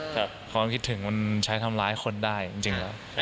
เขาไม่คิดถึงว่ามันใช้ทำร้ายคนได้จริงแล้ว